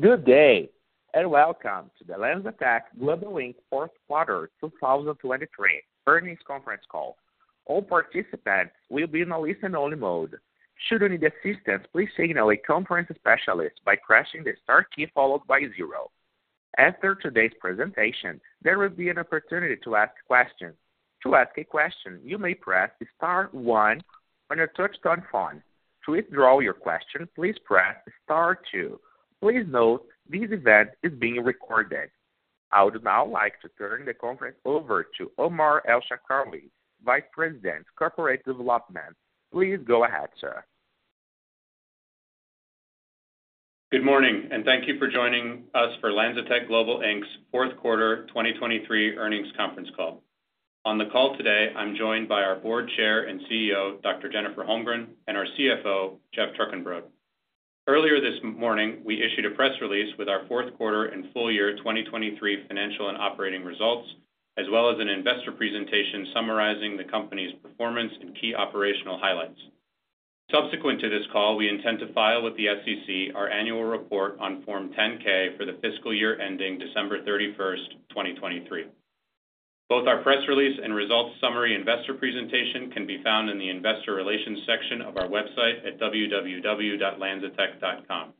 Good day and welcome to the LanzaTech Global, Inc. fourth quarter 2023 earnings conference call. All participants will be in a listen-only mode. Should you need assistance, please signal a conference specialist by pressing the star key followed by zero. After today's presentation, there will be an opportunity to ask questions. To ask a question, you may press star one on your touchscreen phone. To withdraw your question, please press star two. Please note this event is being recorded. I would now like to turn the conference over to Omar El-Sharkawy, Vice President, Corporate Development. Please go ahead, sir. Good morning, and thank you for joining us for LanzaTech Global, Inc.'s fourth quarter 2023 earnings conference call. On the call today, I'm joined by our Board Chair and CEO, Dr. Jennifer Holmgren, and our CFO, Geoff Trukenbrod. Earlier this morning, we issued a press release with our fourth quarter and full year 2023 financial and operating results, as well as an investor presentation summarizing the company's performance and key operational highlights. Subsequent to this call, we intend to file with the SEC our annual report on Form 10-K for the fiscal year ending December 31st, 2023. Both our press release and results summary investor presentation can be found in the Investor Relations section of our website at www.lanzatech.com.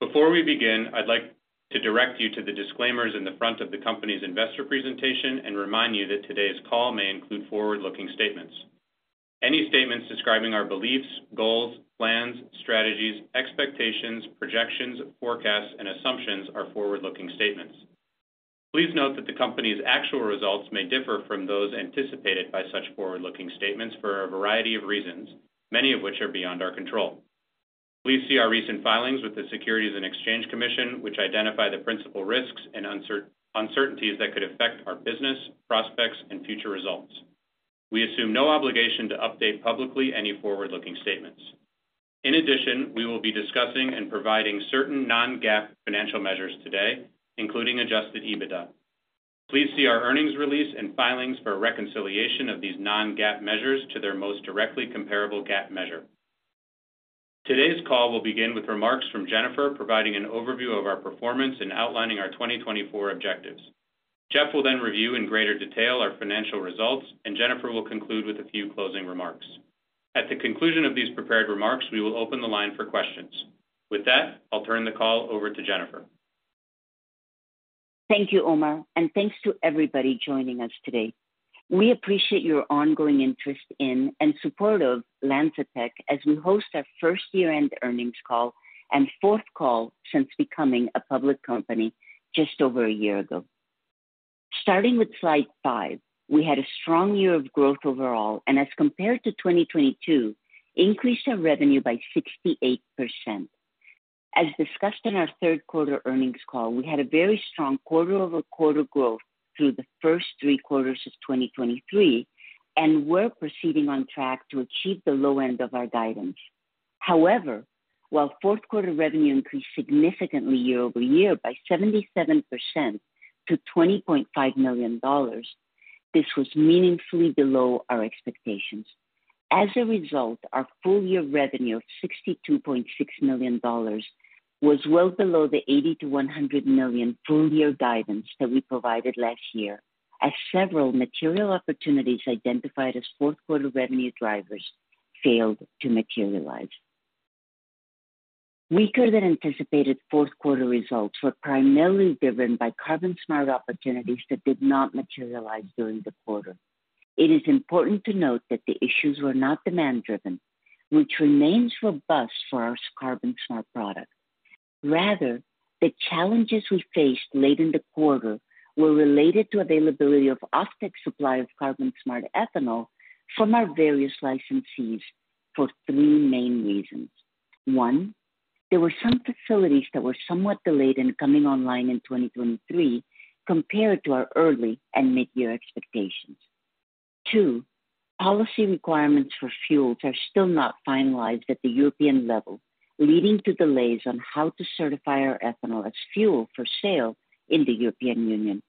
Before we begin, I'd like to direct you to the disclaimers in the front of the company's investor presentation and remind you that today's call may include forward-looking statements. Any statements describing our beliefs, goals, plans, strategies, expectations, projections, forecasts, and assumptions are forward-looking statements. Please note that the company's actual results may differ from those anticipated by such forward-looking statements for a variety of reasons, many of which are beyond our control. Please see our recent filings with the Securities and Exchange Commission, which identify the principal risks and uncertainties that could affect our business, prospects, and future results. We assume no obligation to update publicly any forward-looking statements. In addition, we will be discussing and providing certain non-GAAP financial measures today, including Adjusted EBITDA. Please see our earnings release and filings for reconciliation of these non-GAAP measures to their most directly comparable GAAP measure. Today's call will begin with remarks from Jennifer providing an overview of our performance and outlining our 2024 objectives. Geoff will then review in greater detail our financial results, and Jennifer will conclude with a few closing remarks. At the conclusion of these prepared remarks, we will open the line for questions. With that, I'll turn the call over to Jennifer. Thank you, Omar, and thanks to everybody joining us today. We appreciate your ongoing interest in and support of LanzaTech as we host our first year-end earnings call and fourth call since becoming a public company just over a year ago. Starting with slide five, we had a strong year of growth overall and, as compared to 2022, increased our revenue by 68%. As discussed in our third quarter earnings call, we had a very strong quarter-over-quarter growth through the first three quarters of 2023 and were proceeding on track to achieve the low end of our guidance. However, while fourth quarter revenue increased significantly year-over-year by 77% to $20.5 million, this was meaningfully below our expectations. As a result, our full-year revenue of $62.6 million was well below the $80 million to $100 million full-year guidance that we provided last year, as several material opportunities identified as fourth quarter revenue drivers failed to materialize. Weaker than anticipated fourth quarter results were primarily driven by CarbonSmart opportunities that did not materialize during the quarter. It is important to note that the issues were not demand-driven, which remains robust for our CarbonSmart product. Rather, the challenges we faced late in the quarter were related to availability of offtake supply of CarbonSmart ethanol from our various licensees for three main reasons. One, there were some facilities that were somewhat delayed in coming online in 2023 compared to our early and mid-year expectations. Two, policy requirements for fuels are still not finalized at the European level, leading to delays on how to certify our ethanol as fuel for sale in the European Union.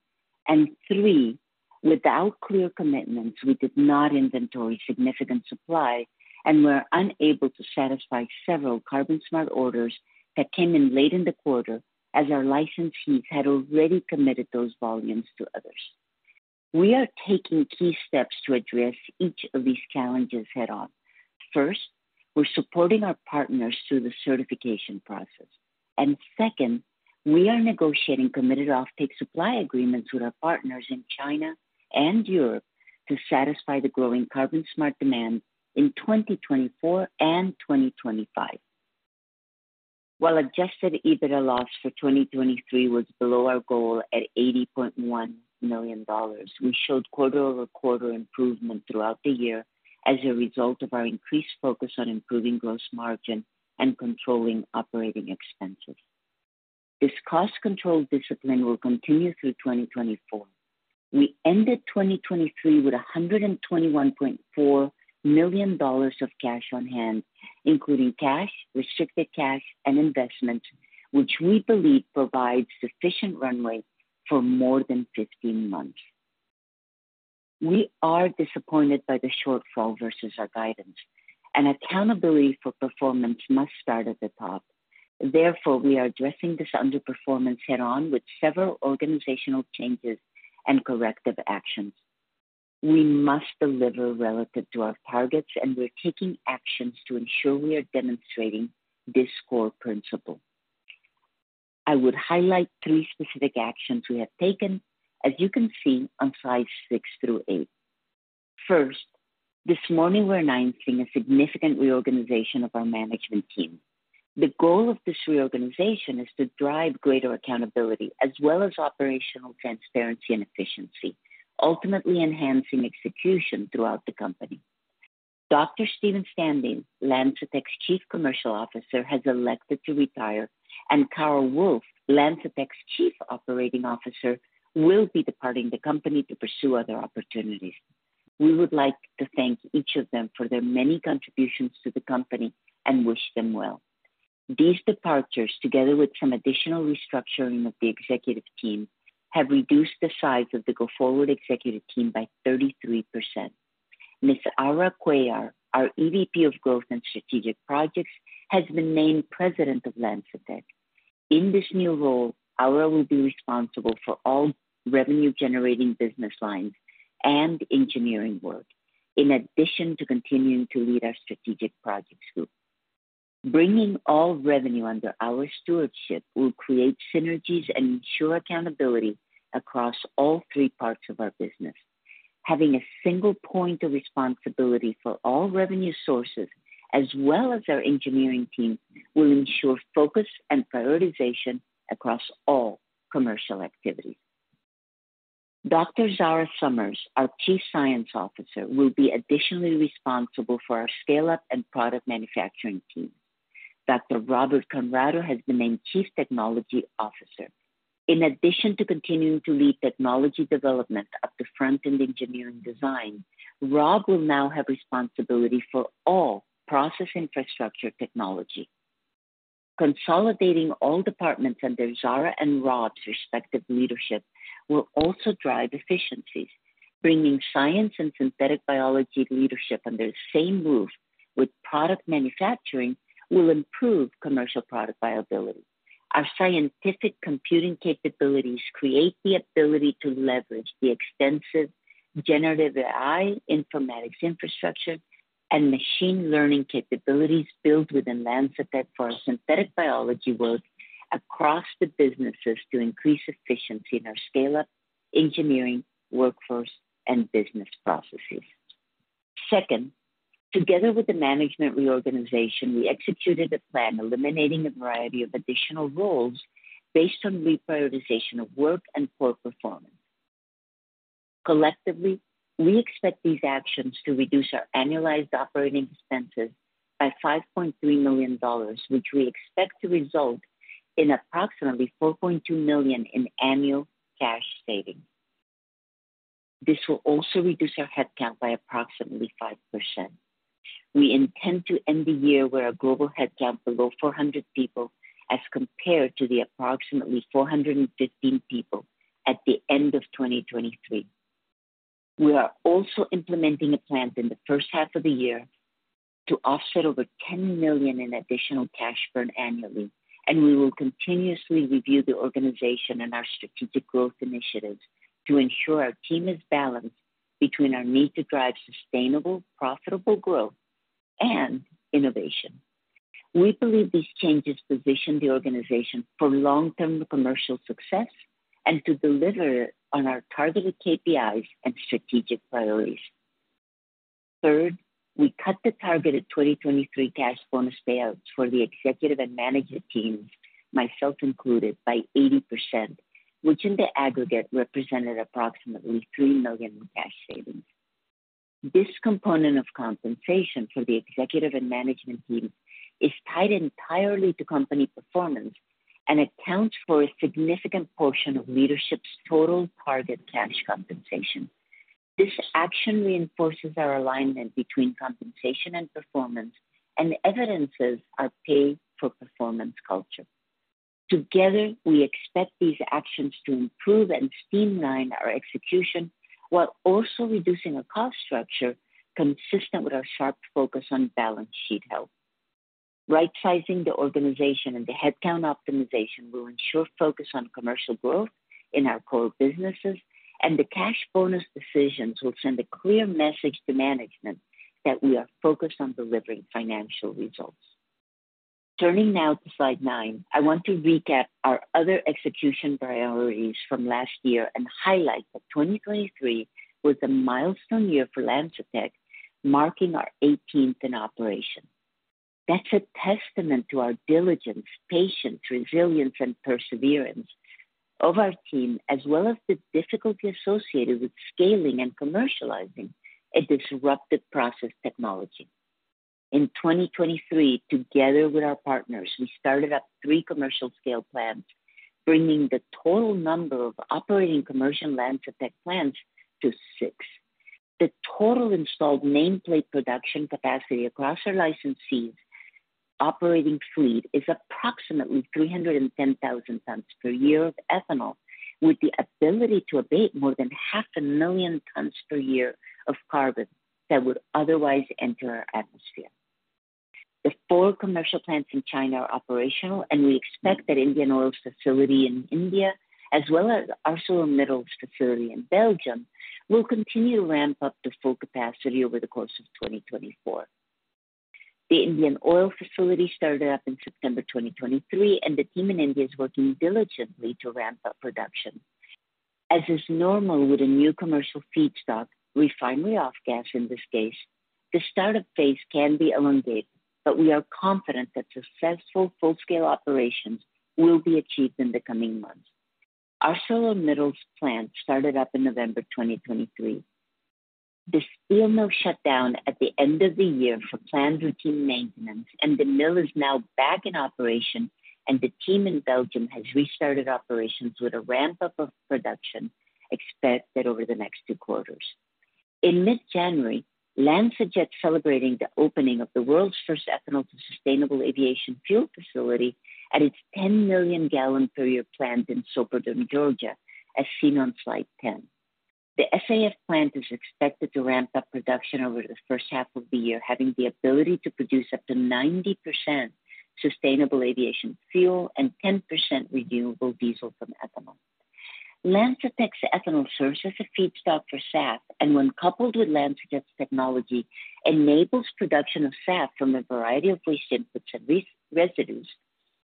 Three, without clear commitments, we did not inventory significant supply and were unable to satisfy several CarbonSmart orders that came in late in the quarter as our licensees had already committed those volumes to others. We are taking key steps to address each of these challenges head-on. First, we're supporting our partners through the certification process. Second, we are negotiating committed offtake supply agreements with our partners in China and Europe to satisfy the growing CarbonSmart demand in 2024 and 2025. While Adjusted EBITDA loss for 2023 was below our goal at $80.1 million, we showed quarter-over-quarter improvement throughout the year as a result of our increased focus on improving gross margin and controlling operating expenses. This cost-control discipline will continue through 2024. We ended 2023 with $121.4 million of cash on hand, including cash, restricted cash, and investments, which we believe provides sufficient runway for more than 15 months. We are disappointed by the shortfall versus our guidance, and accountability for performance must start at the top. Therefore, we are addressing this underperformance head-on with several organizational changes and corrective actions. We must deliver relative to our targets, and we're taking actions to ensure we are demonstrating this core principle. I would highlight three specific actions we have taken, as you can see on slides six through eight. First, this morning we're announcing a significant reorganization of our management team. The goal of this reorganization is to drive greater accountability as well as operational transparency and efficiency, ultimately enhancing execution throughout the company. Dr. Steven Stanley, LanzaTech's Chief Commercial Officer, has elected to retire, and Carl Wolf, LanzaTech's Chief Operating Officer, will be departing the company to pursue other opportunities. We would like to thank each of them for their many contributions to the company and wish them well. These departures, together with some additional restructuring of the executive team, have reduced the size of the go-forward executive team by 33%. Ms. Aura Cuellar, our EVP of Growth and Strategic Projects, has been named President of LanzaTech. In this new role, Aura will be responsible for all revenue-generating business lines and engineering work, in addition to continuing to lead our strategic projects group. Bringing all revenue under our stewardship will create synergies and ensure accountability across all three parts of our business. Having a single point of responsibility for all revenue sources, as well as our engineering team, will ensure focus and prioritization across all commercial activities. Dr. Zara Summers, our Chief Science Officer, will be additionally responsible for our scale-up and product manufacturing team. Dr. Robert Conrado has been named Chief Technology Officer. In addition to continuing to lead technology development up the front in engineering design, Rob will now have responsibility for all process infrastructure technology. Consolidating all departments under Zara and Rob's respective leadership will also drive efficiencies. Bringing science and synthetic biology leadership under the same roof with product manufacturing will improve commercial product viability. Our scientific computing capabilities create the ability to leverage the extensive generative AI informatics infrastructure and machine learning capabilities built within LanzaTech for our synthetic biology work across the businesses to increase efficiency in our scale-up engineering workforce and business processes. Second, together with the management reorganization, we executed a plan eliminating a variety of additional roles based on reprioritization of work and core performance. Collectively, we expect these actions to reduce our annualized operating expenses by $5.3 million, which we expect to result in approximately $4.2 million in annual cash savings. This will also reduce our headcount by approximately 5%. We intend to end the year with a global headcount below 400 people as compared to the approximately 415 people at the end of 2023. We are also implementing a plan in the first half of the year to offset over $10 million in additional cash burn annually, and we will continuously review the organization and our strategic growth initiatives to ensure our team is balanced between our need to drive sustainable, profitable growth and innovation. We believe these changes position the organization for long-term commercial success and to deliver on our targeted KPIs and strategic priorities. Third, we cut the targeted 2023 cash bonus payouts for the executive and management teams, myself included, by 80%, which in the aggregate represented approximately $3 million in cash savings. This component of compensation for the executive and management teams is tied entirely to company performance and accounts for a significant portion of leadership's total target cash compensation. This action reinforces our alignment between compensation and performance, and evidences our pay-for-performance culture. Together, we expect these actions to improve and streamline our execution while also reducing our cost structure consistent with our sharp focus on balance sheet health. Right-sizing the organization and the headcount optimization will ensure focus on commercial growth in our core businesses, and the cash bonus decisions will send a clear message to management that we are focused on delivering financial results. Turning now to slide nine, I want to recap our other execution priorities from last year and highlight that 2023 was a milestone year for LanzaTech, marking our 18th in operation. That's a testament to our diligence, patience, resilience, and perseverance of our team, as well as the difficulty associated with scaling and commercializing a disruptive process technology. In 2023, together with our partners, we started up three commercial-scale plants, bringing the total number of operating commercial LanzaTech plants to six. The total installed nameplate production capacity across our licensees' operating fleet is approximately 310,000 tons per year of ethanol, with the ability to abate more than 500,000 tons per year of carbon that would otherwise enter our atmosphere. The four commercial plants in China are operational, and we expect that Indian Oil facility in India, as well as ArcelorMittal's facility in Belgium, will continue to ramp up to full capacity over the course of 2024. The Indian Oil facility started up in September 2023, and the team in India is working diligently to ramp up production. As is normal with a new commercial feedstock, refinery off-gas in this case, the startup phase can be elongated, but we are confident that successful full-scale operations will be achieved in the coming months. ArcelorMittal's plant started up in November 2023. The steel mill shut down at the end of the year for planned routine maintenance, and the mill is now back in operation, and the team in Belgium has restarted operations with a ramp-up of production expected over the next two quarters. In mid-January, LanzaTech is celebrating the opening of the world's first ethanol-to-sustainable aviation fuel facility at its 10 million gal per year plant in Soperton, Georgia, as seen on slide 10. The SAF plant is expected to ramp up production over the first half of the year, having the ability to produce up to 90% sustainable aviation fuel and 10% renewable diesel from ethanol. LanzaTech's ethanol serves as a feedstock for SAF, and when coupled with LanzaTech's technology, it enables production of SAF from a variety of waste inputs and residues,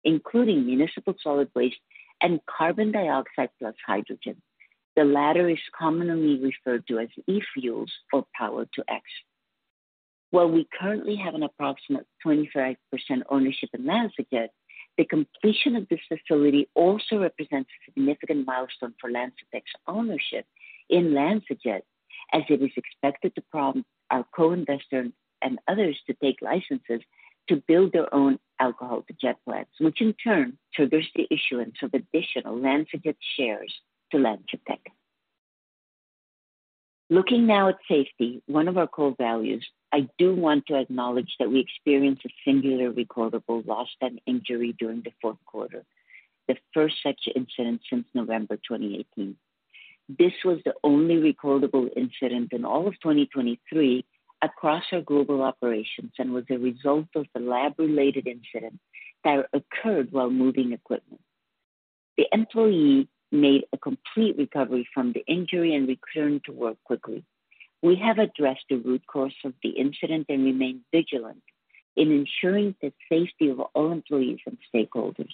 including municipal solid waste and carbon dioxide plus hydrogen. The latter is commonly referred to as E-fuels or Power-to-X. While we currently have an approximate 25% ownership in LanzaJet, the completion of this facility also represents a significant milestone for LanzaTech's ownership in LanzaJet, as it is expected to prompt our co-investors and others to take licenses to build their own alcohol-to-jet plants, which in turn triggers the issuance of additional LanzaJet shares to LanzaTech. Looking now at safety, one of our core values, I do want to acknowledge that we experienced a singular recordable loss and injury during the fourth quarter, the first such incident since November 2018. This was the only recordable incident in all of 2023 across our global operations and was the result of the lab-related incident that occurred while moving equipment. The employee made a complete recovery from the injury and returned to work quickly. We have addressed the root cause of the incident and remained vigilant in ensuring the safety of all employees and stakeholders.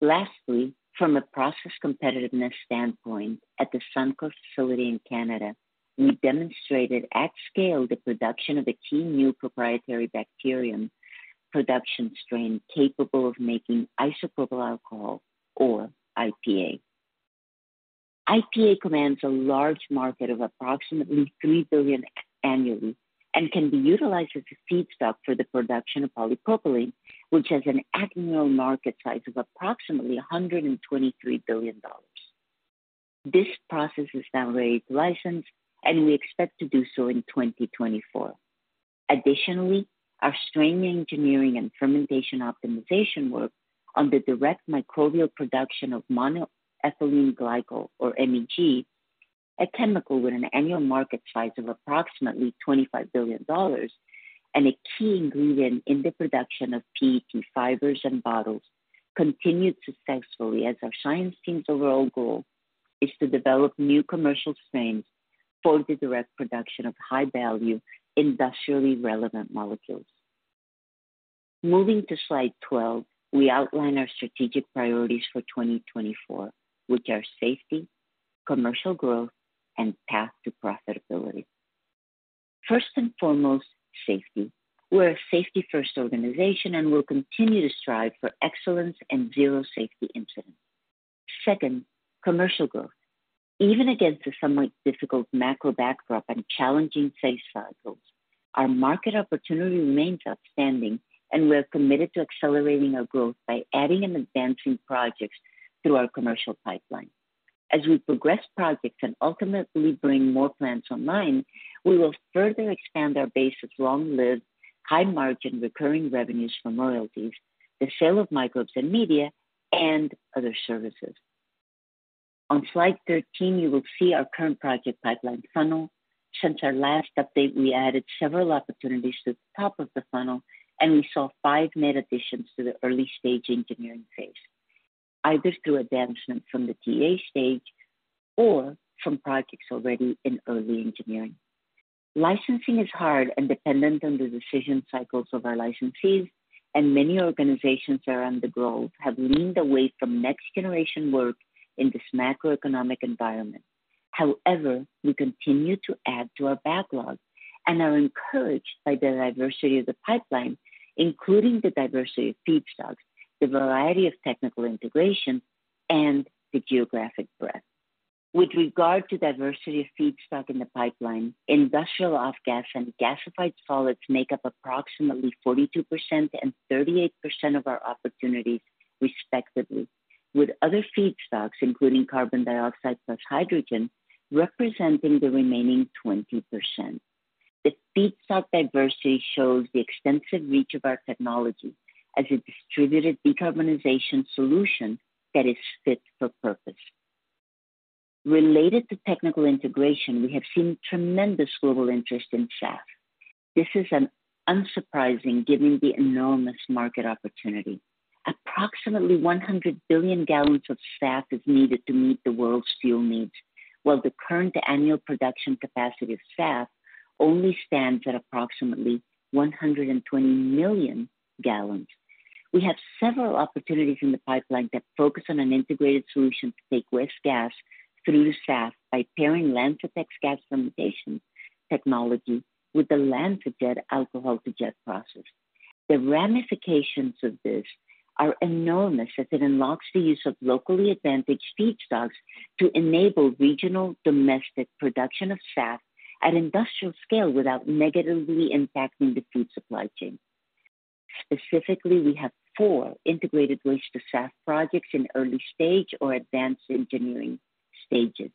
Lastly, from a process competitiveness standpoint, at the Suncor facility in Canada, we demonstrated at scale the production of a key new proprietary bacterium production strain capable of making isopropyl alcohol, or IPA. IPA commands a large market of approximately $3 billion annually and can be utilized as a feedstock for the production of polypropylene, which has an annual market size of approximately $123 billion. This process is now ready to license, and we expect to do so in 2024. Additionally, our strain engineering and fermentation optimization work on the direct microbial production of monoethylene glycol, or MEG, a chemical with an annual market size of approximately $25 billion and a key ingredient in the production of PET fibers and bottles, continued successfully, as our science team's overall goal is to develop new commercial strains for the direct production of high-value, industrially relevant molecules. Moving to Slide 12, we outline our strategic priorities for 2024, which are safety, commercial growth, and path to profitability. First and foremost, safety. We're a safety-first organization and will continue to strive for excellence and zero safety incidents. Second, commercial growth. Even against a somewhat difficult macro backdrop and challenging SAF cycles, our market opportunity remains outstanding, and we are committed to accelerating our growth by adding and advancing projects through our commercial pipeline. As we progress projects and ultimately bring more plants online, we will further expand our base of long-lived, high-margin recurring revenues from royalties, the sale of microbes and media, and other services. On slide 13, you will see our current project pipeline funnel. Since our last update, we added several opportunities to the top of the funnel, and we saw five net additions to the early-stage engineering phase, either through advancement from the TA stage or from projects already in early engineering. Licensing is hard and dependent on the decision cycles of our licensees, and many organizations around the globe have leaned away from next-generation work in this macroeconomic environment. However, we continue to add to our backlog and are encouraged by the diversity of the pipeline, including the diversity of feedstocks, the variety of technical integration, and the geographic breadth. With regard to diversity of feedstock in the pipeline, industrial off-gas and gasified solids make up approximately 42% and 38% of our opportunities, respectively, with other feedstocks, including carbon dioxide plus hydrogen, representing the remaining 20%. The feedstock diversity shows the extensive reach of our technology as a distributed decarbonization solution that is fit for purpose. Related to technical integration, we have seen tremendous global interest in SAF. This is unsurprising, given the enormous market opportunity. Approximately 100 billion gal of SAF is needed to meet the world's fuel needs, while the current annual production capacity of SAF only stands at approximately 120 million gal. We have several opportunities in the pipeline that focus on an integrated solution to take waste gas through to SAF by pairing LanzaTech's gas fermentation technology with the LanzaTech alcohol-to-jet process. The ramifications of this are enormous, as it unlocks the use of locally advantaged feedstocks to enable regional domestic production of SAF at industrial scale without negatively impacting the food supply chain. Specifically, we have four integrated waste-to-SAF projects in early-stage or advanced engineering stages,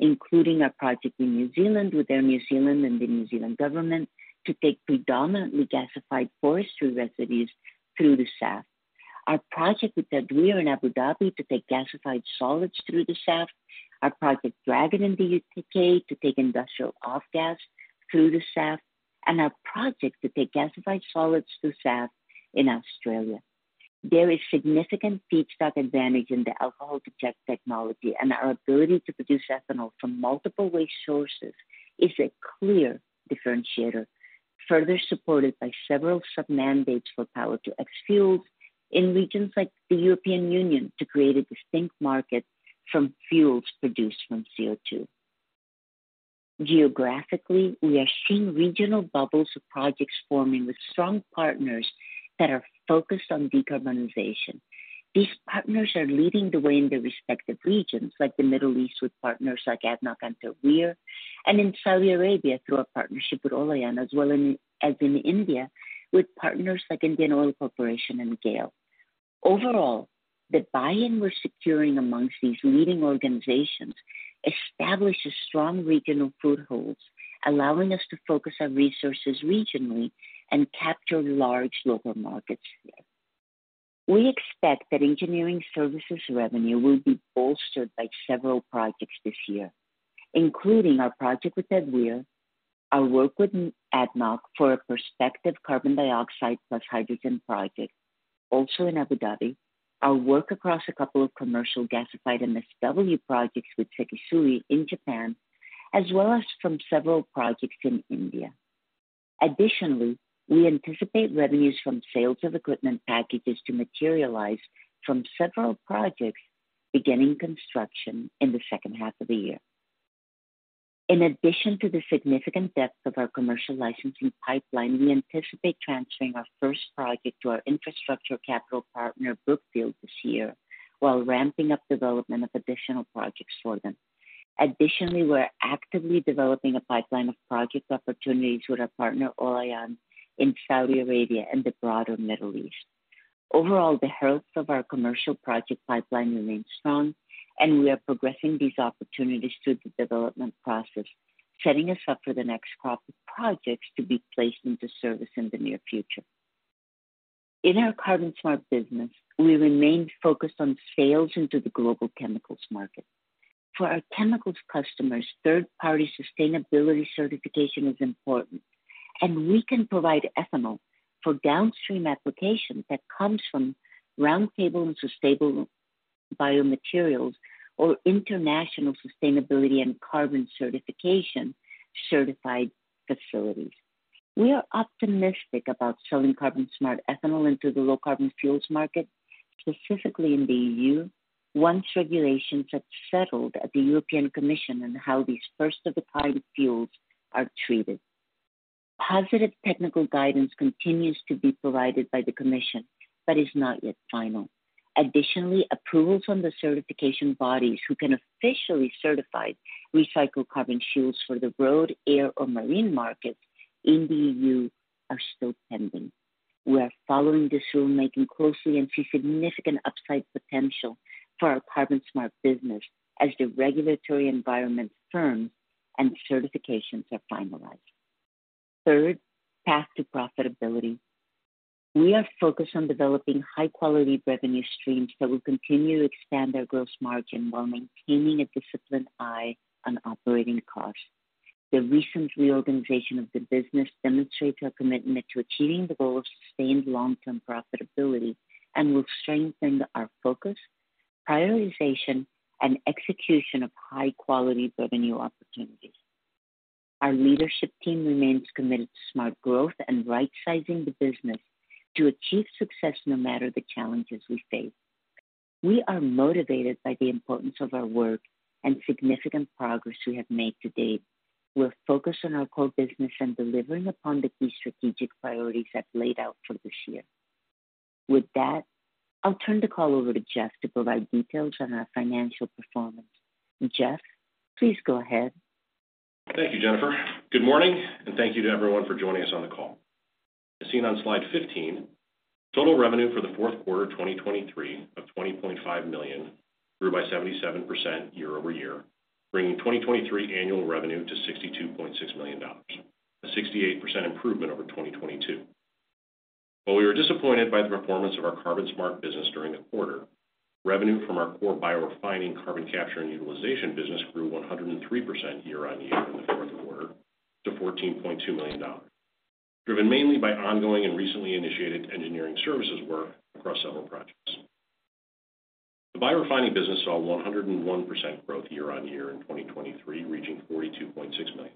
including our project in New Zealand with Air New Zealand and the New Zealand government to take predominantly gasified forestry residues through to SAF, our project with Tadweer in Abu Dhabi to take gasified solids through to SAF, our Project Dragon in the U.K. to take industrial off-gas through to SAF, and our project to take gasified solids to SAF in Australia. There is significant feedstock advantage in the alcohol-to-jet technology, and our ability to produce ethanol from multiple waste sources is a clear differentiator, further supported by several submandates for Power-to-X fuels in regions like the European Union to create a distinct market from fuels produced from CO2. Geographically, we are seeing regional bubbles of projects forming with strong partners that are focused on decarbonization. These partners are leading the way in their respective regions, like the Middle East with partners like ADNOC and Tadweer and in Saudi Arabia through our partnership with Olayan, as well as in India with partners like Indian Oil Corporation and GAIL. Overall, the buy-in we're securing amongst these leading organizations establishes strong regional footholds, allowing us to focus our resources regionally and capture large local markets here. We expect that engineering services revenue will be bolstered by several projects this year, including our project with Tadweer, our work with ADNOC for a prospective carbon dioxide plus hydrogen project, also in Abu Dhabi, our work across a couple of commercial gasified MSW projects with Sekisui in Japan, as well as from several projects in India. Additionally, we anticipate revenues from sales of equipment packages to materialize from several projects, beginning construction in the second half of the year. In addition to the significant depth of our commercial licensing pipeline, we anticipate transferring our first project to our infrastructure capital partner, Brookfield, this year while ramping up development of additional projects for them. Additionally, we're actively developing a pipeline of project opportunities with our partner Olayan in Saudi Arabia and the broader Middle East. Overall, the health of our commercial project pipeline remains strong, and we are progressing these opportunities through the development process, setting us up for the next crop of projects to be placed into service in the near future. In our CarbonSmart business, we remain focused on sales into the global chemicals market. For our chemicals customers, third-party sustainability certification is important, and we can provide ethanol for downstream applications that come from Roundtable on Sustainable Biomaterials or International Sustainability and Carbon Certification certified facilities. We are optimistic about selling CarbonSmart ethanol into the low-carbon fuels market, specifically in the EU, once regulations have settled at the European Commission on how these first-of-a-kind fuels are treated. Positive technical guidance continues to be provided by the Commission but is not yet final. Additionally, approvals from the certification bodies who can officially certify recycled carbon fuels for the road, air, or marine markets in the EU are still pending. We are following this rulemaking closely and see significant upside potential for our carbon-smart business as the regulatory environment firms and certifications are finalized. Third, path to profitability. We are focused on developing high-quality revenue streams that will continue to expand our gross margin while maintaining a disciplined eye on operating costs. The recent reorganization of the business demonstrates our commitment to achieving the goal of sustained long-term profitability and will strengthen our focus, prioritization, and execution of high-quality revenue opportunities. Our leadership team remains committed to smart growth and right-sizing the business to achieve success no matter the challenges we face. We are motivated by the importance of our work and significant progress we have made to date. We'll focus on our core business and delivering upon the key strategic priorities I've laid out for this year. With that, I'll turn the call over to Geoff to provide details on our financial performance. Geoff, please go ahead. Thank you, Jennifer. Good morning, and thank you to everyone for joining us on the call. As seen on slide 15, total revenue for the fourth quarter 2023 of $20.5 million grew by 77% year-over-year, bringing 2023 annual revenue to $62.6 million, a 68% improvement over 2022. While we were disappointed by the performance of our CarbonSmart business during the quarter, revenue from our core biorefining carbon capture and utilization business grew 103% year-on-year in the fourth quarter to $14.2 million, driven mainly by ongoing and recently initiated engineering services work across several projects. The biorefining business saw 101% growth year on year in 2023, reaching $42.6 million.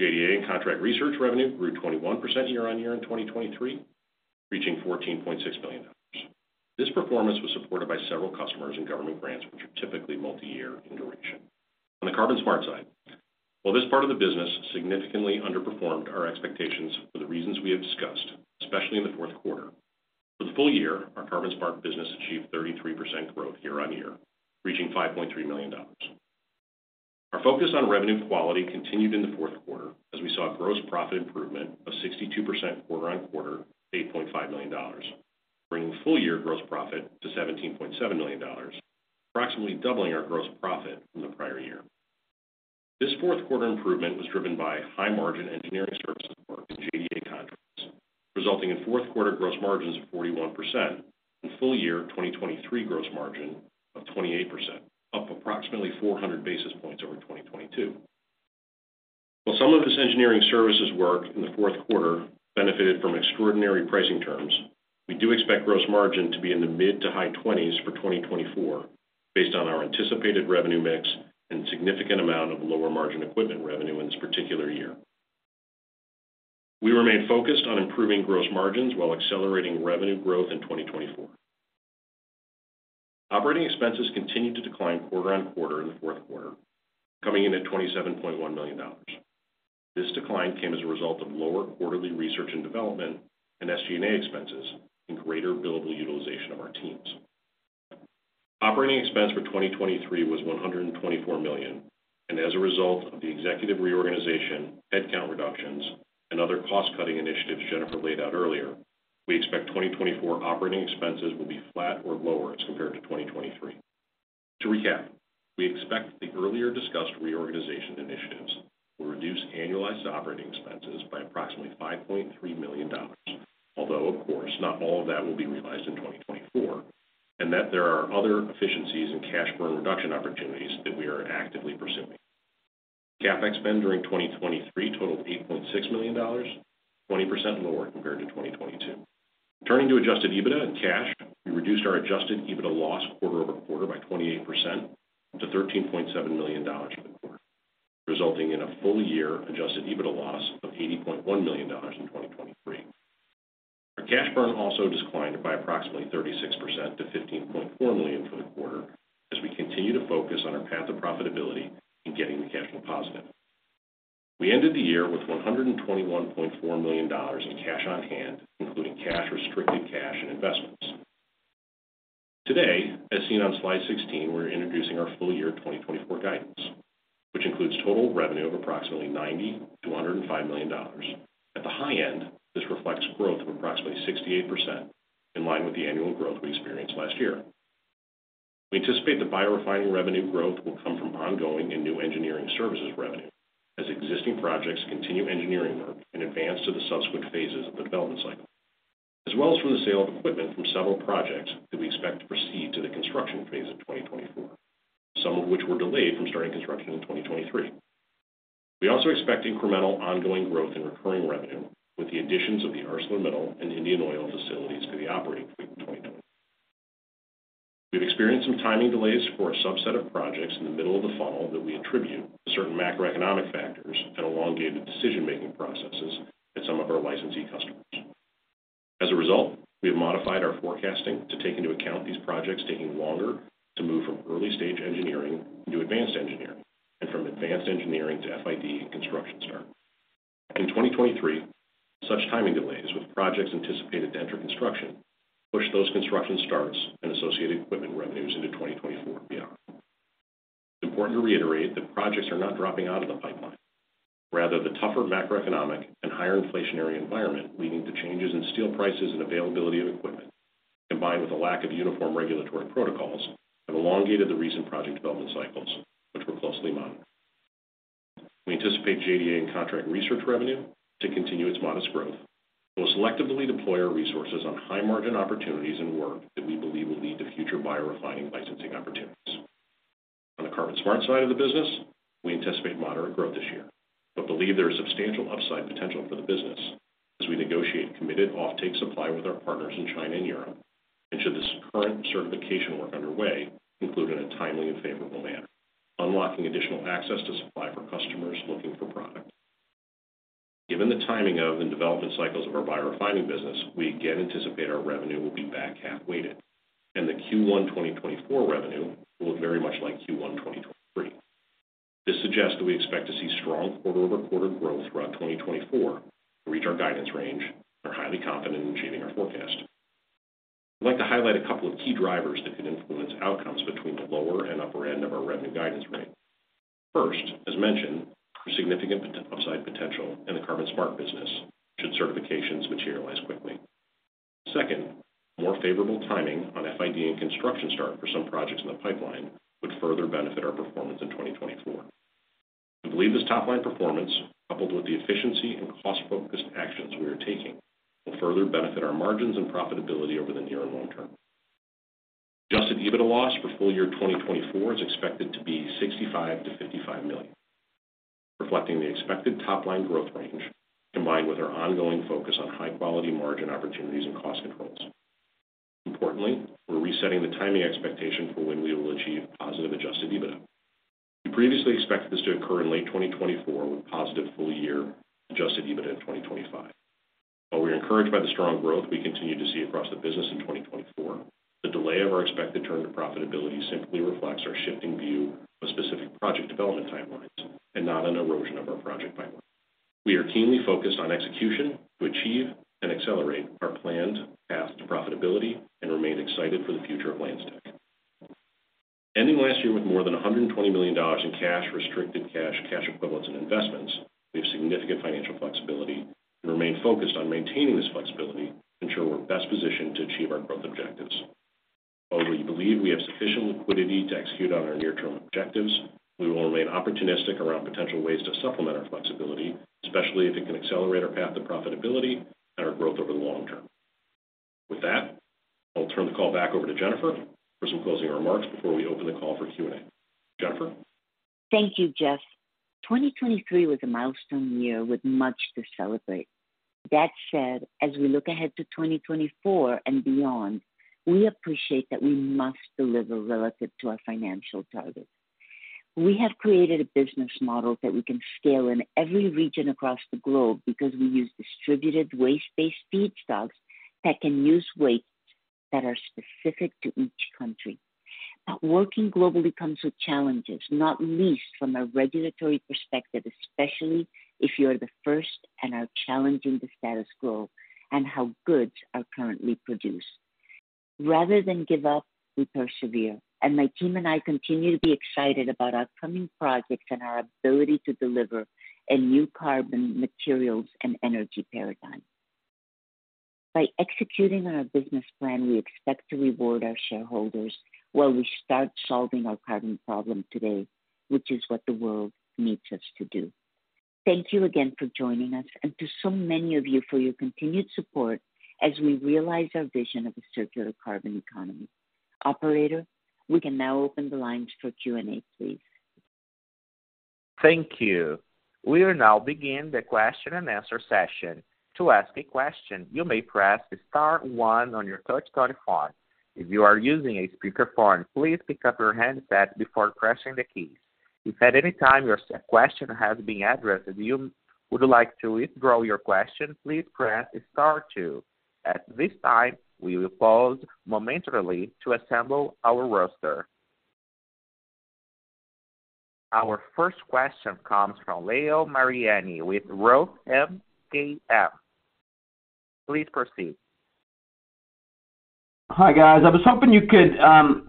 JDA and contract research revenue grew 21% year-on-year in 2023, reaching $14.6 million. This performance was supported by several customers and government grants, which are typically multi-year in duration. On the CarbonSmart side, while this part of the business significantly underperformed our expectations for the reasons we have discussed, especially in the fourth quarter, for the full year, our CarbonSmart business achieved 33% growth year-on-year, reaching $5.3 million. Our focus on revenue quality continued in the fourth quarter as we saw gross profit improvement of 62% quarter-on-quarter to $8.5 million, bringing full-year gross profit to $17.7 million, approximately doubling our gross profit from the prior year. This fourth quarter improvement was driven by high-margin engineering services work in JDA contracts, resulting in fourth-quarter gross margins of 41% and full-year 2023 gross margin of 28%, up approximately 400 basis points over 2022. While some of this engineering services work in the fourth quarter benefited from extraordinary pricing terms, we do expect gross margin to be in the mid- to high-20s% for 2024 based on our anticipated revenue mix and significant amount of lower-margin equipment revenue in this particular year. We remain focused on improving gross margins while accelerating revenue growth in 2024. Operating expenses continued to decline quarter-over-quarter in the fourth quarter, coming in at $27.1 million. This decline came as a result of lower quarterly research and development and SG&A expenses and greater billable utilization of our teams. Operating expense for 2023 was $124 million, and as a result of the executive reorganization, headcount reductions, and other cost-cutting initiatives Jennifer laid out earlier, we expect 2024 operating expenses will be flat or lower as compared to 2023. To recap, we expect the earlier discussed reorganization initiatives will reduce annualized operating expenses by approximately $5.3 million, although, of course, not all of that will be realized in 2024, and that there are other efficiencies and cash burn reduction opportunities that we are actively pursuing. CapEx spend during 2023 totaled $8.6 million, 20% lower compared to 2022. Turning to adjusted EBITDA and cash, we reduced our adjusted EBITDA loss quarter-over-quarter by 28% to $13.7 million for the quarter, resulting in a full-year adjusted EBITDA loss of $80.1 million in 2023. Our cash burn also declined by approximately 36% to $15.4 million for the quarter as we continue to focus on our path to profitability and getting the cash flow positive. We ended the year with $121.4 million in cash on hand, including cash, restricted cash, and investments. Today, as seen on slide 16, we're introducing our full-year 2024 guidance, which includes total revenue of approximately $90million to $105 million. At the high end, this reflects growth of approximately 68% in line with the annual growth we experienced last year. We anticipate the biorefining revenue growth will come from ongoing and new engineering services revenue as existing projects continue engineering work and advance to the subsequent phases of the development cycle, as well as from the sale of equipment from several projects that we expect to proceed to the construction phase in 2024, some of which were delayed from starting construction in 2023. We also expect incremental ongoing growth in recurring revenue with the additions of the ArcelorMittal and Indian Oil facilities to the operating fleet in 2020. We've experienced some timing delays for a subset of projects in the middle of the funnel that we attribute to certain macroeconomic factors and elongated decision-making processes at some of our licensee customers. As a result, we have modified our forecasting to take into account these projects taking longer to move from early-stage engineering into advanced engineering and from advanced engineering to FID and construction start. In 2023, such timing delays with projects anticipated to enter construction pushed those construction starts and associated equipment revenues into 2024 beyond. It's important to reiterate that projects are not dropping out of the pipeline. Rather, the tougher macroeconomic and higher inflationary environment leading to changes in steel prices and availability of equipment, combined with a lack of uniform regulatory protocols, have elongated the recent project development cycles, which we're closely monitoring. We anticipate JDA and contract research revenue to continue its modest growth, so we'll selectively deploy our resources on high-margin opportunities and work that we believe will lead to future biorefining licensing opportunities. On the CarbonSmart side of the business, we anticipate moderate growth this year but believe there is substantial upside potential for the business as we negotiate committed offtake supply with our partners in China and Europe and should this current certification work underway conclude in a timely and favorable manner, unlocking additional access to supply for customers looking for product. Given the timing of and development cycles of our biorefining business, we again anticipate our revenue will be back half-weighted, and the Q1 2024 revenue will look very much like Q1 2023. This suggests that we expect to see strong quarter-over-quarter growth throughout 2024 to reach our guidance range, and we're highly confident in achieving our forecast. I'd like to highlight a couple of key drivers that could influence outcomes between the lower and upper end of our revenue guidance range. First, as mentioned, there's significant upside potential in the CarbonSmart business should certifications materialize quickly. Second, more favorable timing on FID and construction start for some projects in the pipeline would further benefit our performance in 2024. We believe this top-line performance, coupled with the efficiency and cost-focused actions we are taking, will further benefit our margins and profitability over the near and long term. Adjusted EBITDA loss for full year 2024 is expected to be $65 million to $55 million, reflecting the expected top-line growth range combined with our ongoing focus on high-quality margin opportunities and cost controls. Importantly, we're resetting the timing expectation for when we will achieve positive adjusted EBITDA. We previously expected this to occur in late 2024 with positive full-year Adjusted EBITDA in 2025. While we're encouraged by the strong growth we continue to see across the business in 2024, the delay of our expected turn to profitability simply reflects our shifting view of specific project development timelines and not an erosion of our project pipeline. We are keenly focused on execution to achieve and accelerate our planned path to profitability and remain excited for the future of LanzaTech. Ending last year with more than $120 million in cash, restricted cash, cash equivalents, and investments, we have significant financial flexibility and remain focused on maintaining this flexibility to ensure we're best positioned to achieve our growth objectives. While we believe we have sufficient liquidity to execute on our near-term objectives, we will remain opportunistic around potential ways to supplement our flexibility, especially if it can accelerate our path to profitability and our growth over the long term. With that, I'll turn the call back over to Jennifer for some closing remarks before we open the call for Q&A. Jennifer? Thank you, Geoff. 2023 was a milestone year with much to celebrate. That said, as we look ahead to 2024 and beyond, we appreciate that we must deliver relative to our financial targets. We have created a business model that we can scale in every region across the globe because we use distributed waste-based feedstocks that can use waste that are specific to each country. But working globally comes with challenges, not least from a regulatory perspective, especially if you are the first and are challenging the status quo and how goods are currently produced. Rather than give up, we persevere, and my team and I continue to be excited about upcoming projects and our ability to deliver a new carbon materials and energy paradigm. By executing on our business plan, we expect to reward our shareholders while we start solving our carbon problem today, which is what the world needs us to do. Thank you again for joining us, and to so many of you for your continued support as we realize our vision of a Circular Carbon Economy. Operator, we can now open the lines for Q&A, please. Thank you. We will now begin the question-and-answer session. To ask a question, you may press star one on your touchscreen phone. If you are using a speakerphone, please pick up your handset before pressing the keys. If at any time your question has been addressed and you would like to withdraw your question, please press star two. At this time, we will pause momentarily to assemble our roster. Our first question comes from Leo Mariani with Roth MKM. Please proceed. Hi guys. I was hoping you could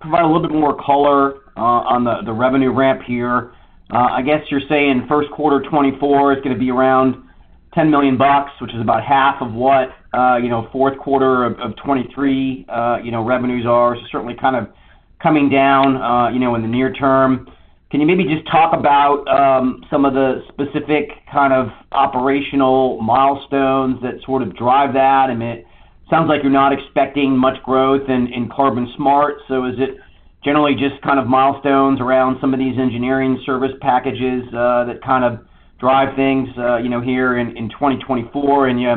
provide a little bit more color on the revenue ramp here. I guess you're saying first quarter 2024 is going to be around $10 million, which is about half of what fourth quarter of 2023 revenues are, so certainly kind of coming down in the near term. Can you maybe just talk about some of the specific kind of operational milestones that sort of drive that? I mean, it sounds like you're not expecting much growth in CarbonSmart, so is it generally just kind of milestones around some of these engineering service packages that kind of drive things here in 2024? And you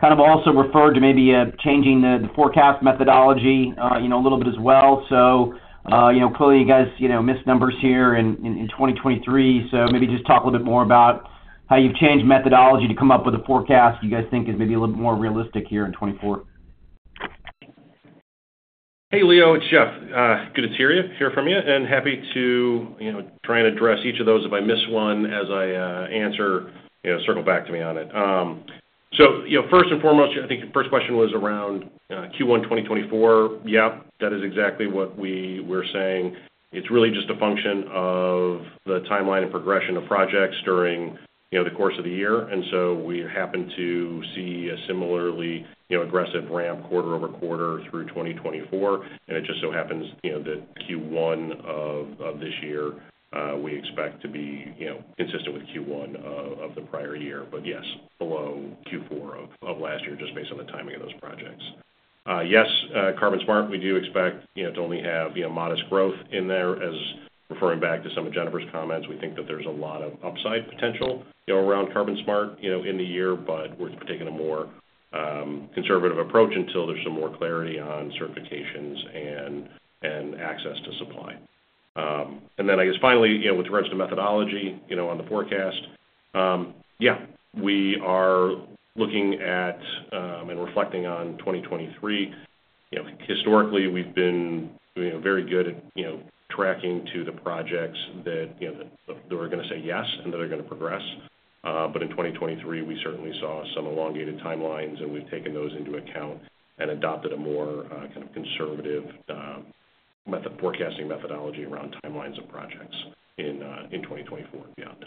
kind of also referred to maybe changing the forecast methodology a little bit as well, so clearly you guys missed numbers here in 2023. Maybe just talk a little bit more about how you've changed methodology to come up with a forecast you guys think is maybe a little bit more realistic here in 2024. Hey Leo, it's Geoff. Good to hear from you, and happy to try and address each of those. If I miss one as I answer, circle back to me on it. So first and foremost, I think your first question was around Q1 2024. Yep, that is exactly what we're saying. It's really just a function of the timeline and progression of projects during the course of the year, and so we happen to see a similarly aggressive ramp quarter-over-quarter through 2024. And it just so happens that Q1 of this year we expect to be consistent with Q1 of the prior year, but yes, below Q4 of last year just based on the timing of those projects. Yes, CarbonSmart, we do expect to only have modest growth in there. Referring back to some of Jennifer's comments, we think that there's a lot of upside potential around CarbonSmart in the year, but we're taking a more conservative approach until there's some more clarity on certifications and access to supply. Then I guess finally, with regards to methodology on the forecast, yeah, we are looking at and reflecting on 2023. Historically, we've been very good at tracking to the projects that they were going to say yes and that are going to progress. But in 2023, we certainly saw some elongated timelines, and we've taken those into account and adopted a more kind of conservative forecasting methodology around timelines of projects in 2024 beyond.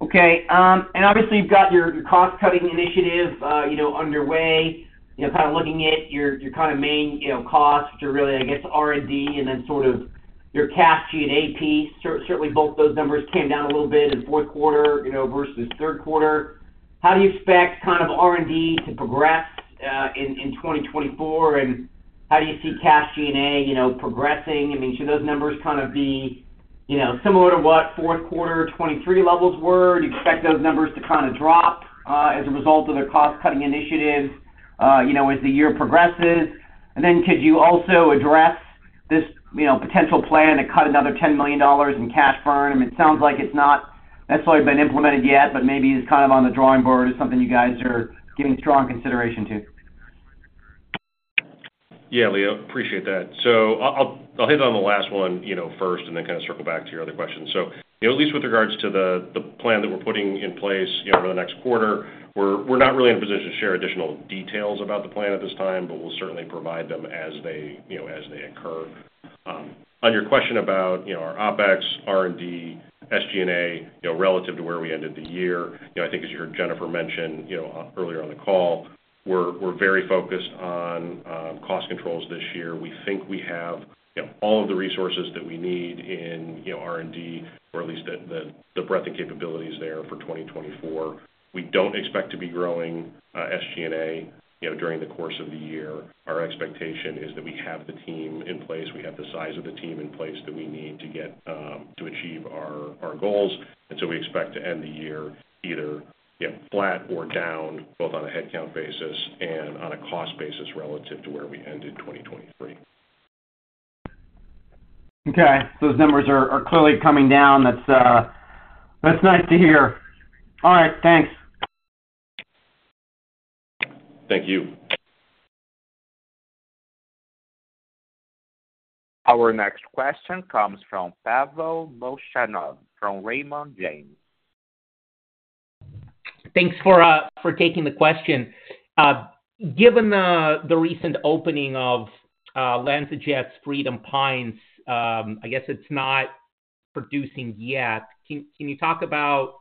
Okay. And obviously, you've got your cost-cutting initiative underway. Kind of looking at your kind of main costs, which are really, I guess, R&D and then sort of your cash G&A piece, certainly both those numbers came down a little bit in fourth quarter versus third quarter. How do you expect kind of R&D to progress in 2024, and how do you see cash G&A progressing? I mean, should those numbers kind of be similar to what fourth quarter 2023 levels were? Do you expect those numbers to kind of drop as a result of the cost-cutting initiative as the year progresses? And then could you also address this potential plan to cut another $10 million in cash burn? I mean, it sounds like it's not necessarily been implemented yet, but maybe it's kind of on the drawing board as something you guys are giving strong consideration to. Yeah Leo, appreciate that. So I'll hit on the last one first and then kind of circle back to your other question. So at least with regards to the plan that we're putting in place over the next quarter, we're not really in a position to share additional details about the plan at this time, but we'll certainly provide them as they occur. On your question about our OpEx, R&D, SG&A relative to where we ended the year, I think as you heard Jennifer mention earlier on the call, we're very focused on cost controls this year. We think we have all of the resources that we need in R&D or at least the breadth and capabilities there for 2024. We don't expect to be growing SG&A during the course of the year. Our expectation is that we have the team in place, we have the size of the team in place that we need to achieve our goals, and so we expect to end the year either flat or down both on a headcount basis and on a cost basis relative to where we ended 2023. Okay. So those numbers are clearly coming down. That's nice to hear. All right, thanks. Thank you. Our next question comes from Pavel Molchanov from Raymond James. Thanks for taking the question. Given the recent opening of LanzaJet's Freedom Pines, I guess it's not producing yet. Can you talk about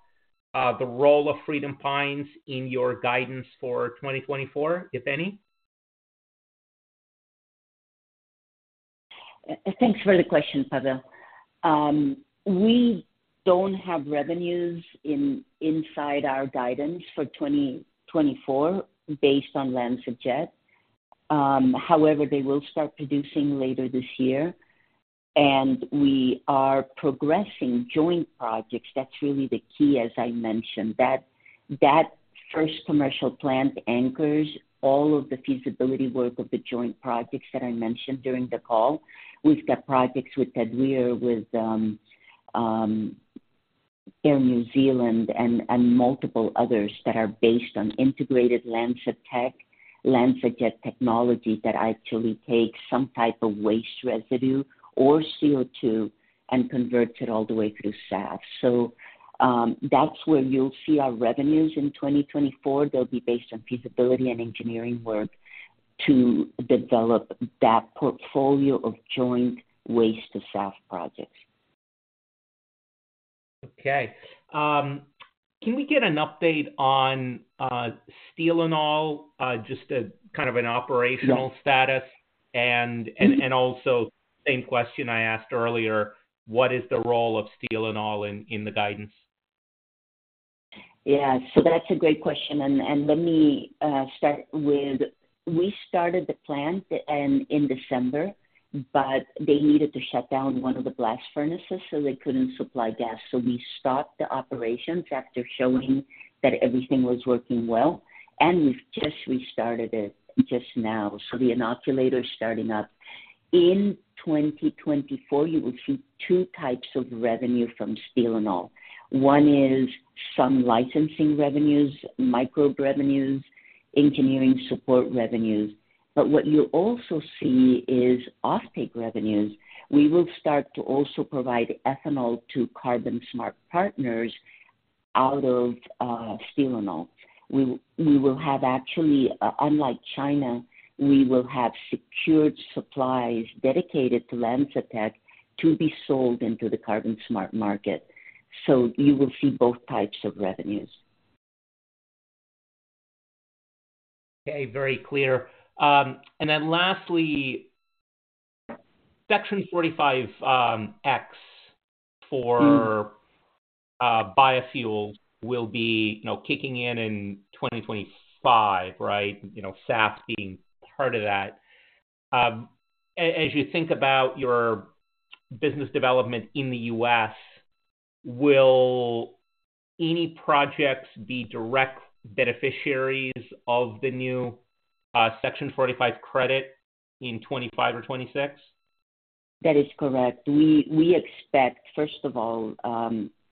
the role of Freedom Pines in your guidance for 2024, if any? Thanks for the question, Pavel. We don't have revenues inside our guidance for 2024 based on LanzaJet. However, they will start producing later this year, and we are progressing joint projects. That's really the key, as I mentioned. That first commercial plant anchors all of the feasibility work of the joint projects that I mentioned during the call. We've got projects with Tadweer, with Air New Zealand, and multiple others that are based on integrated LanzaTech technology that actually takes some type of waste residue or CO2 and converts it all the way through SAF. So that's where you'll see our revenues in 2024. They'll be based on feasibility and engineering work to develop that portfolio of joint waste-to-SAF projects. Okay. Can we get an update on Steelanol, just kind of an operational status? And also same question I asked earlier, what is the role of Steelanol in the guidance? Yeah, so that's a great question, and let me start with we started the plant in December, but they needed to shut down one of the blast furnaces so they couldn't supply gas. So we stopped the operations after showing that everything was working well, and we've just restarted it just now. So the inoculator is starting up. In 2024, you will see two types of revenue from Steelanol. One is some licensing revenues, micro revenues, engineering support revenues. But what you'll also see is offtake revenues. We will start to also provide ethanol to CarbonSmart partners out of Steelanol. We will have actually, unlike China, we will have secured supplies dedicated to LanzaTech to be sold into the CarbonSmart market. So you will see both types of revenues. Okay, very clear. And then lastly, Section 45X for biofuels will be kicking in in 2025, right? SAF being part of that. As you think about your business development in the U.S., will any projects be direct beneficiaries of the new Section 45 credit in '25 or '26? That is correct. We expect, first of all,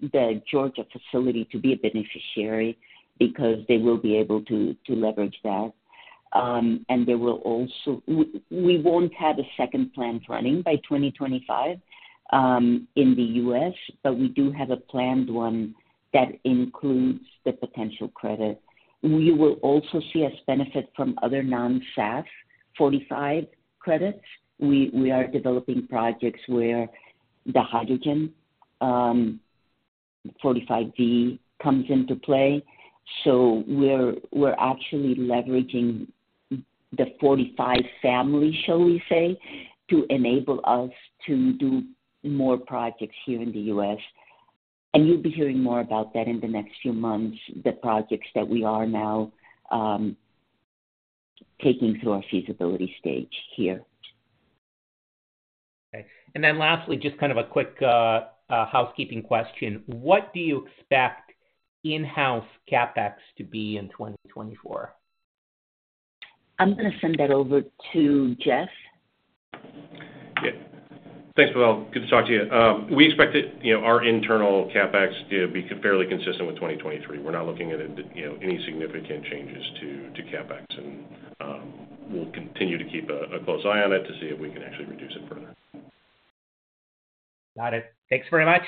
the Georgia facility to be a beneficiary because they will be able to leverage that. And we won't have a second plant running by 2025 in the U.S., but we do have a planned one that includes the potential credit. You will also see us benefit from other non-SAF 45 credits. We are developing projects where the hydrogen 45V comes into play. So we're actually leveraging the 45 family, shall we say, to enable us to do more projects here in the U.S. And you'll be hearing more about that in the next few months, the projects that we are now taking through our feasibility stage here. Okay. And then lastly, just kind of a quick housekeeping question. What do you expect in-house CapEx to be in 2024? I'm going to send that over to Geoff. Yeah. Thanks, Pavel. Good to talk to you. We expect our internal CapEx to be fairly consistent with 2023. We're not looking at any significant changes to CapEx, and we'll continue to keep a close eye on it to see if we can actually reduce it further. Got it. Thanks very much.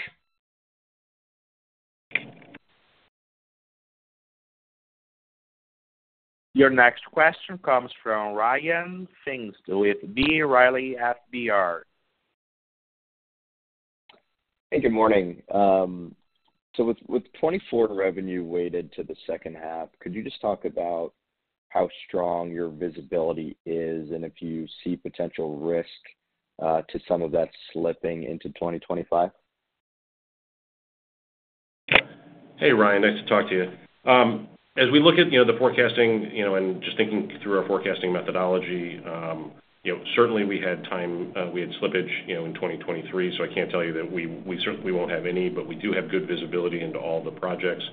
Your next question comes from Ryan with B. Riley FBR. Hey, good morning. So with 2024 revenue weighted to the second half, could you just talk about how strong your visibility is and if you see potential risk to some of that slipping into 2025? Hey Ryan, nice to talk to you. As we look at the forecasting and just thinking through our forecasting methodology, certainly we had time we had slippage in 2023, so I can't tell you that we won't have any, but we do have good visibility into all the projects.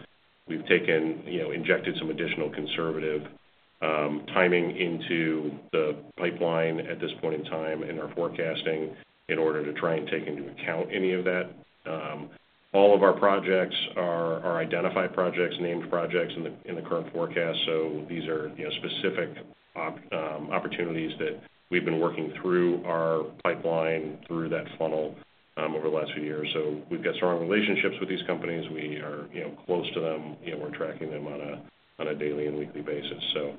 We've injected some additional conservative timing into the pipeline at this point in time in our forecasting in order to try and take into account any of that. All of our projects are identified projects, named projects in the current forecast, so these are specific opportunities that we've been working through our pipeline, through that funnel over the last few years. So we've got strong relationships with these companies. We are close to them. We're tracking them on a daily and weekly basis. So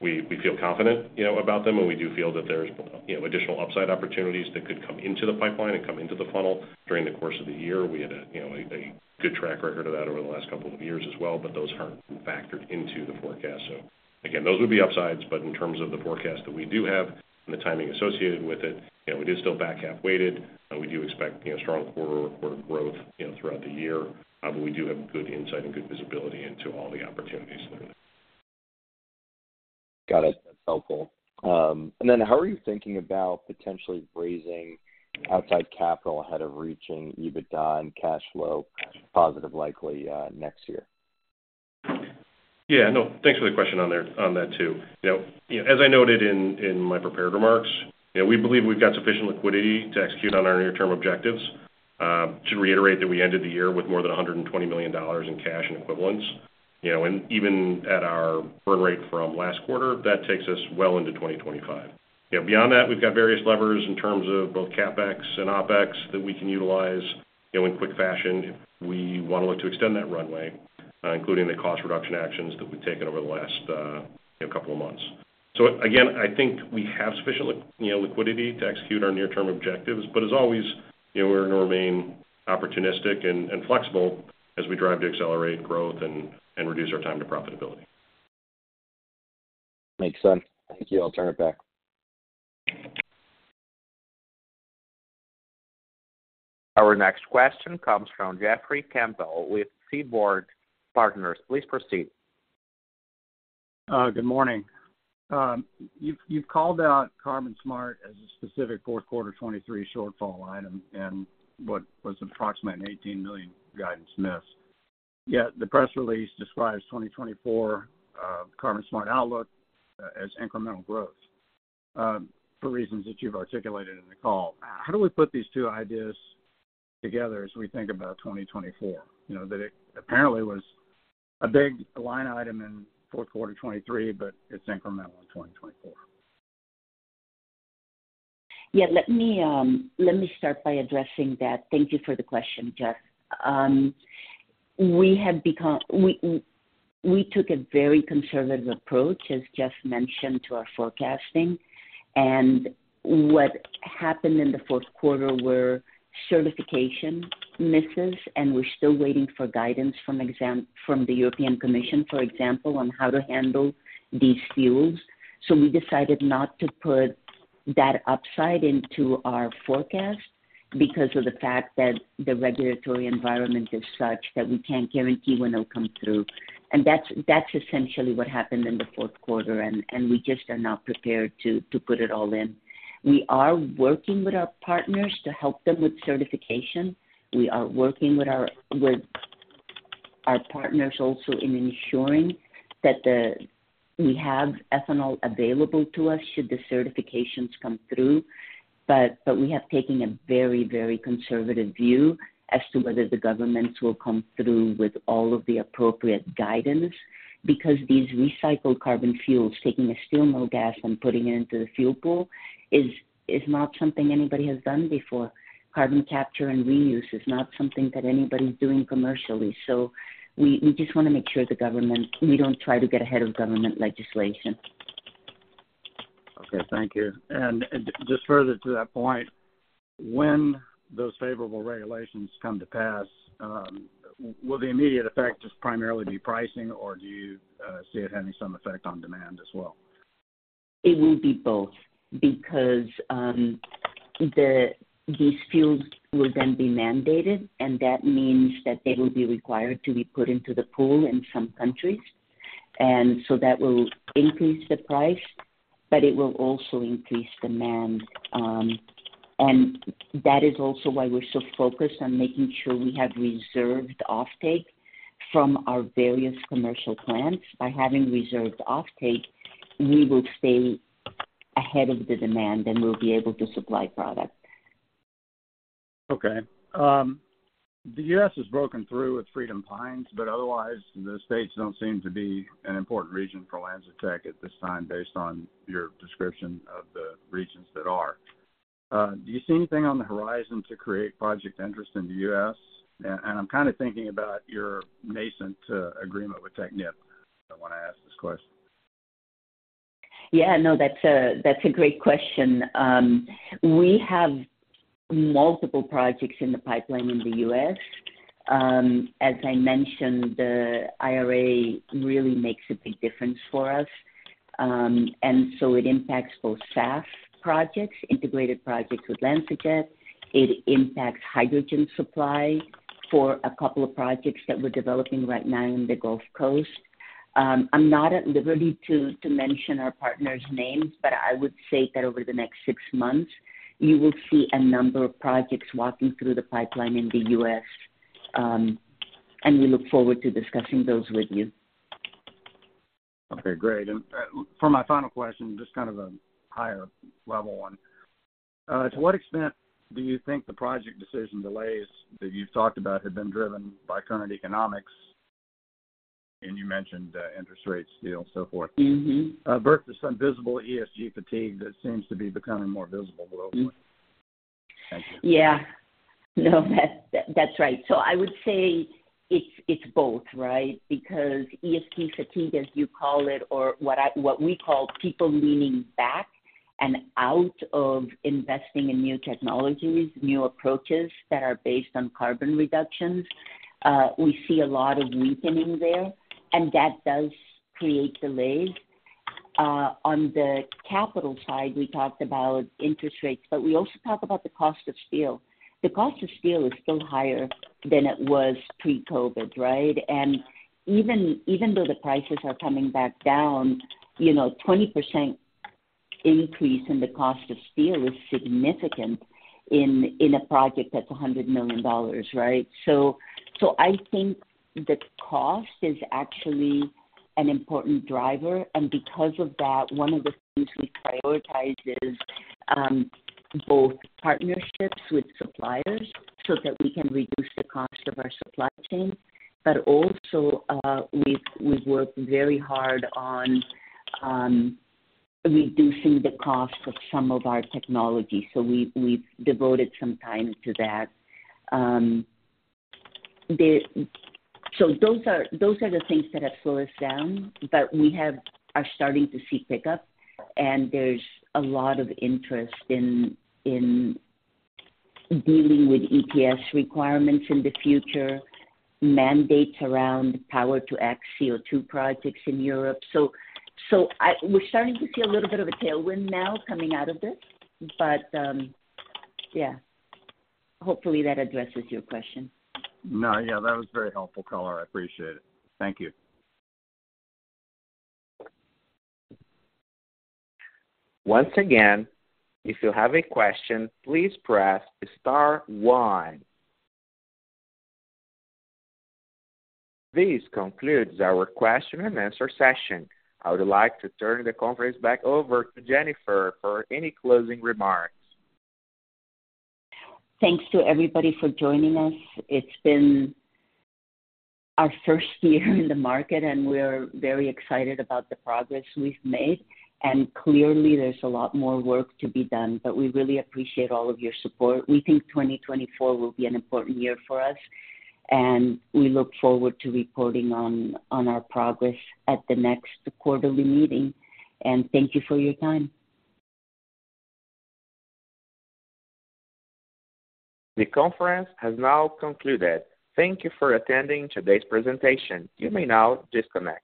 we feel confident about them, and we do feel that there's additional upside opportunities that could come into the pipeline and come into the funnel during the course of the year. We had a good track record of that over the last couple of years as well, but those aren't factored into the forecast. So again, those would be upsides, but in terms of the forecast that we do have and the timing associated with it, we do still back half weighted. We do expect strong quarter-over-quarter growth throughout the year, but we do have good insight and good visibility into all the opportunities that are there. Got it. That's helpful. And then how are you thinking about potentially raising outside capital ahead of reaching EBITDA and cash flow positive, likely next year? Yeah. No, thanks for the question on that too. As I noted in my prepared remarks, we believe we've got sufficient liquidity to execute on our near-term objectives. I should reiterate that we ended the year with more than $120 million in cash and equivalents. Even at our burn rate from last quarter, that takes us well into 2025. Beyond that, we've got various levers in terms of both CapEx and OPEX that we can utilize in quick fashion if we want to look to extend that runway, including the cost reduction actions that we've taken over the last couple of months. Again, I think we have sufficient liquidity to execute our near-term objectives, but as always, we're going to remain opportunistic and flexible as we drive to accelerate growth and reduce our time to profitability. Makes sense. Thank you. I'll turn it back. Our next question comes from Jeffrey Campbell with Seaport Partners. Please proceed. Good morning. You've called out CarbonSmart as a specific fourth quarter 2023 shortfall item and what was approximately an $18 million guidance miss. Yet the press release describes 2024 CarbonSmart outlook as incremental growth for reasons that you've articulated in the call. How do we put these two ideas together as we think about 2024? That it apparently was a big line item in fourth quarter 2023, but it's incremental in 2024. Yeah, let me start by addressing that. Thank you for the question, Geoff. We took a very conservative approach, as Geoff mentioned, to our forecasting. And what happened in the fourth quarter were certification misses, and we're still waiting for guidance from the European Commission, for example, on how to handle these fuels. So we decided not to put that upside into our forecast because of the fact that the regulatory environment is such that we can't guarantee when it'll come through. And that's essentially what happened in the fourth quarter, and we just are not prepared to put it all in. We are working with our partners to help them with certification. We are working with our partners also in ensuring that we have ethanol available to us should the certifications come through. But we have taken a very, very conservative view as to whether the governments will come through with all of the appropriate guidance because these recycled carbon fuels, taking a steel mill gas and putting it into the fuel pool, is not something anybody has done before. Carbon capture and reuse is not something that anybody's doing commercially. So we just want to make sure the government we don't try to get ahead of government legislation. Okay. Thank you. Just further to that point, when those favorable regulations come to pass, will the immediate effect just primarily be pricing, or do you see it having some effect on demand as well? It will be both because these fuels will then be mandated, and that means that they will be required to be put into the pool in some countries. And so that will increase the price, but it will also increase demand. And that is also why we're so focused on making sure we have reserved offtake from our various commercial plants. By having reserved offtake, we will stay ahead of the demand, and we'll be able to supply product. Okay. The U.S. has broken through with Freedom Pines, but otherwise, the states don't seem to be an important region for LanzaTech at this time based on your description of the regions that are. Do you see anything on the horizon to create project interest in the U.S.? I'm kind of thinking about your nascent agreement with Technip when I ask this question. Yeah, no, that's a great question. We have multiple projects in the pipeline in the U.S. As I mentioned, the IRA really makes a big difference for us, and so it impacts both SAF projects, integrated projects with LanzaTech. It impacts hydrogen supply for a couple of projects that we're developing right now in the Gulf Coast. I'm not at liberty to mention our partners' names, but I would say that over the next six months, you will see a number of projects walking through the pipeline in the U.S., and we look forward to discussing those with you. Okay. Great. And for my final question, just kind of a higher-level one, to what extent do you think the project decision delays that you've talked about have been driven by current economics? And you mentioned interest rates, steel, and so forth, giving birth to some visible ESG fatigue that seems to be becoming more visible globally. Thank you. Yeah. No, that's right. So I would say it's both, right? Because ESG fatigue, as you call it, or what we call people leaning back and out of investing in new technologies, new approaches that are based on carbon reductions, we see a lot of weakening there, and that does create delays. On the capital side, we talked about interest rates, but we also talk about the cost of steel. The cost of steel is still higher than it was pre-COVID, right? And even though the prices are coming back down, a 20% increase in the cost of steel is significant in a project that's $100 million, right? So I think the cost is actually an important driver. And because of that, one of the things we prioritize is both partnerships with suppliers so that we can reduce the cost of our supply chain, but also we've worked very hard on reducing the cost of some of our technology. So we've devoted some time to that. So those are the things that have slowed us down, but we are starting to see pickup, and there's a lot of interest in dealing with ETS requirements in the future, mandates around Power-to-X CO2 projects in Europe. So we're starting to see a little bit of a tailwind now coming out of this, but yeah, hopefully, that addresses your question. No. Yeah, that was very helpful, color. I appreciate it. Thank you. Once again, if you have a question, please press star one. This concludes our question-and-answer session. I would like to turn the conference back over to Jennifer for any closing remarks. Thanks to everybody for joining us. It's been our first year in the market, and we are very excited about the progress we've made. Clearly, there's a lot more work to be done, but we really appreciate all of your support. We think 2024 will be an important year for us, and we look forward to reporting on our progress at the next quarterly meeting. Thank you for your time. The conference has now concluded. Thank you for attending today's presentation. You may now disconnect.